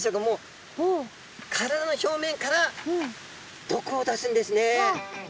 もう体の表面から毒を出すんですね。